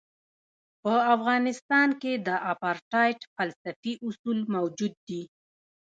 په افغانستان کې د اپارټایډ فلسفي اصول موجود دي.